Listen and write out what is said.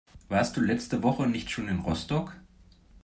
Warst du letzte Woche nicht schon in Rostock?